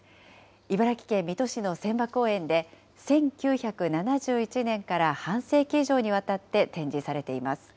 茨城県水戸市の千波公園で、１９７１年から半世紀以上にわたって展示されています。